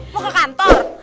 mau ke kantor